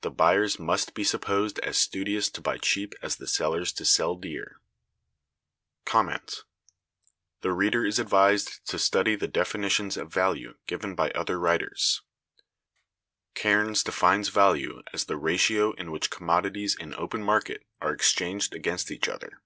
The buyers must be supposed as studious to buy cheap as the sellers to sell dear. The reader is advised to study the definitions of value given by other writers. Cairnes(190) defines value as "the ratio in which commodities in open market are exchanged against each other."